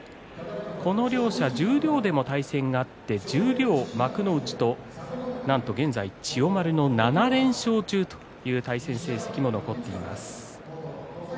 この両者、十両でも対戦があって十両幕内となんと現在、千代丸の７連勝中という対戦成績が残っています。